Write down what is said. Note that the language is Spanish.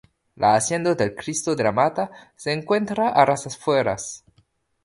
La Hacienda del Cristo de la Mata se encuentra a las afueras.